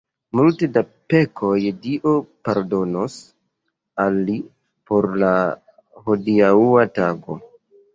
Multe da pekoj Dio pardonos al li por la hodiaŭa tago.